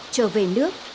trở về nước